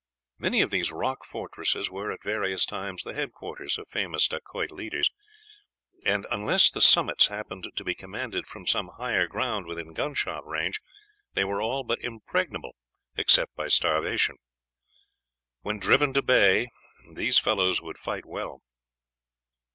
Many of these rock fortresses were at various times the headquarters of famous Dacoit leaders, and unless the summits happened to be commanded from some higher ground within gunshot range they were all but impregnable, except by starvation. When driven to bay, these fellows would fight well.